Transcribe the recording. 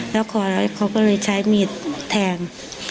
แล้วคอแล้วเขาก็เลยใช้มีดแทง